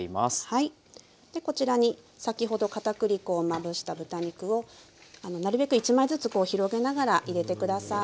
はいでこちらに先ほど片栗粉をまぶした豚肉をなるべく１枚ずつ広げながら入れて下さい。